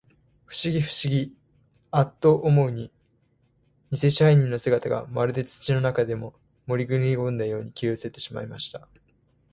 ふしぎ、ふしぎ、アッと思うまに、にせ支配人の姿が、まるで土の中へでも、もぐりこんだように、消えうせてしまいました。